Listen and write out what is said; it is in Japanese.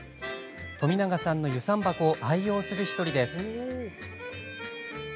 富永さんの遊山箱を愛用する１人です。